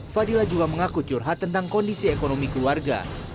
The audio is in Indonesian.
fadila juga mengaku curhat tentang kondisi ekonomi keluarga